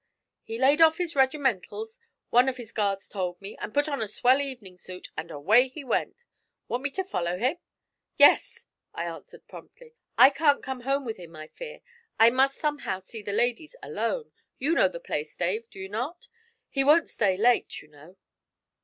He laid off his regimentals, one of the guards told me, and put on a swell evening suit, and away he went. Want me to follow him?' 'Yes,' I answered promptly. 'I can't come home with him, I fear; I must somehow see the ladies alone. You know the place, Dave, do you not? He won't stay late, you know.'